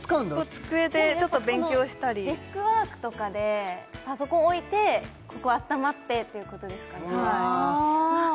机でちょっと勉強したりデスクワークとかでパソコン置いてここあったまってっていうことですかねああ